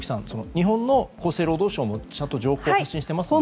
日本の厚生労働省もちゃんと情報を発信してますよね。